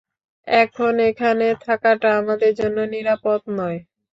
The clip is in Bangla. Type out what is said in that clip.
এখন এখানে থাকাটা আমাদের জন্য নিরাপদ নয়।